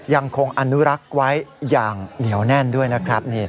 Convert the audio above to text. ยังคงอนุรักษ์ไว้อย่างเหนียวแน่นด้วยนะครับ